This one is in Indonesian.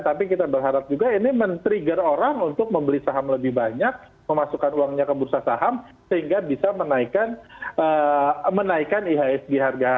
tapi kita berharap juga ini men trigger orang untuk membeli saham lebih banyak memasukkan uangnya ke bursa saham sehingga bisa menaikkan ihsg harga